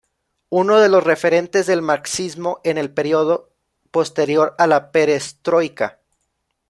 Uno de los referentes del marxismo en el período posterior a la perestroika.